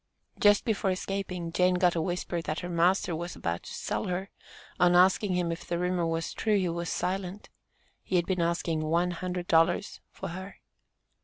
Just before escaping, Jane got a whisper that her "master" was about to sell her; on asking him if the rumor was true, he was silent. He had been asking "one hundred dollars" for her.